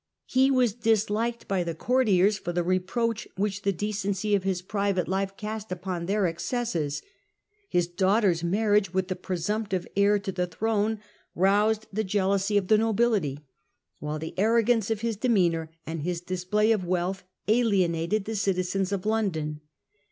He was disliked by the courtiers for the reproach which the decency of his private life cast upon their excesses. His daughter's marriage with the presumptive heir to the throne roused the jealousy of the nobility ; while the arrogance of his demeanour and his display of wealth alienated the citizens of London.